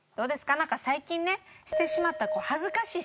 なんか最近ねしてしまった恥ずかしい失敗とか。